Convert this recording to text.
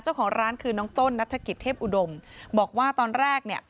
เจ้าของร้านคือน้องต้นนัฐกิจเทพอุดมบอกว่าตอนแรกเนี่ย